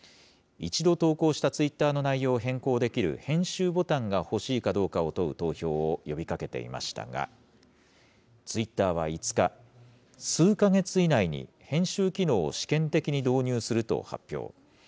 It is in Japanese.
一度投稿したツイッターの内容を変更できる編集ボタンが欲しいかどうかを問う投票を呼びかけていましたが、ツイッターは５日、数か月以内に編集機能を試験的に導入すると発表。